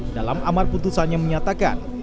dalam amar putusannya menyatakan